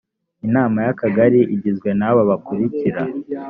inama y akagari igizwe n aba bakurikira